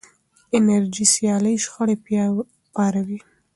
انرژي سیالۍ شخړې پاروي.